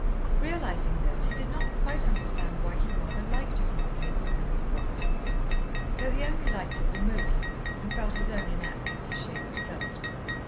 Realising this, he did not quite understand why he rather liked it in the case of Emily Fox Seton, though he only liked it remotely and felt his own inaptness a shade absurd.